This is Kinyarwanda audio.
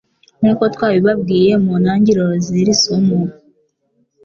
Nkuko twabibabwiye mu ntangiriro z'iri somo